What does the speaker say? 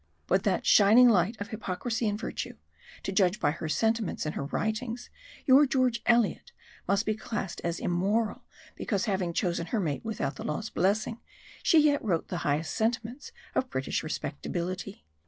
But that shining light of hypocrisy and virtue to judge by her sentiments in her writings your George Eliot, must be classed as immoral because, having chosen her mate without the law's blessing, she yet wrote the highest sentiments of British respectability!